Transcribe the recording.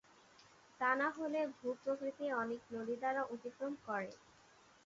তা না হলে ভূ-প্রকৃতি অনেক নদী দ্বারা অতিক্রম করে।